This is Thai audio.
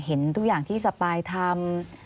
เห็นทุกอย่างที่สปายทำ